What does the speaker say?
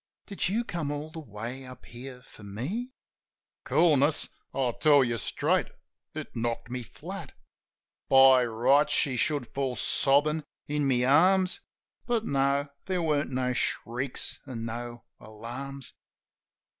"Did you come all the way up here for me?" Coolness ? I tell you straight, it knocked me flat. By rights, she should fall sobbin' in my arms; But no; there weren't no shrieks an' no alarms.